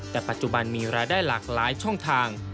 แต่ปัจจุบันมีรายได้หลากหลายช่องทาง